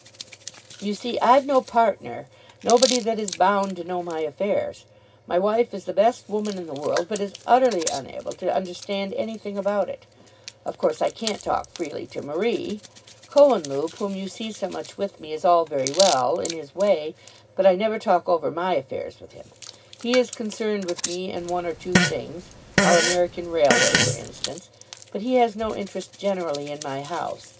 "You see I've no partner, nobody that is bound to know my affairs. My wife is the best woman in the world, but is utterly unable to understand anything about it. Of course I can't talk freely to Marie. Cohenlupe whom you see so much with me is all very well, in his way, but I never talk over my affairs with him. He is concerned with me in one or two things, our American railway for instance, but he has no interest generally in my house.